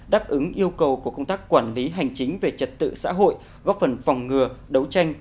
đáp ứng yêu cầu của công tác quản lý hành chính về trật tự xã hội góp phần phòng ngừa đấu tranh